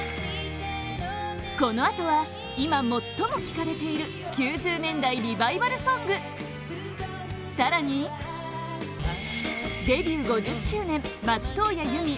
このあとは今、最も聴かれている９０年代リバイバルソング更に、デビュー５０周年松任谷由実